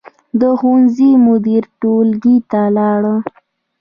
د ښوونځي مدیر ټولګي ته لاړ.